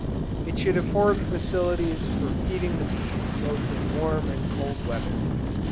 It should afford facilities for feeding the bees both in warm and cold weather.